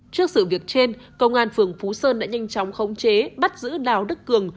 trước sự việc trên công an phường phú sơn đã nhanh chóng khống chế bắt giữ đào đức cường